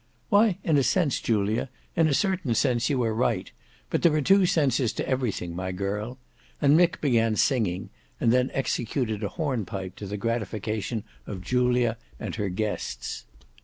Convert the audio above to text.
"Why in a sense, Julia, in a certain sense, you are right; but there are two senses to everything, my girl," and Mick began singing, and then executed a hornpipe to the gratification of Julia and her guests.